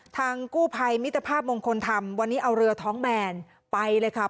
ทางกู้ภัยมิตรภาพมงคลธรรมวันนี้เอาเรือท้องแบนไปเลยค่ะ